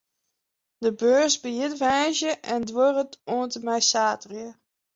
De beurs begjint woansdei en duorret oant en mei saterdei.